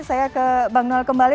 saya ke bang noel kembali